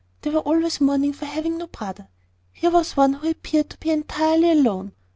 They were always mourning for having no brother. Here was one who appeared to be entirely alone.